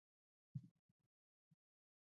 ایا زه باید حجامت وکړم؟